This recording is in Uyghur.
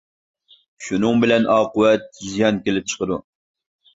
شۇنىڭ بىلەن ئاقىۋەت زىيان كېلىپ چىقىدۇ.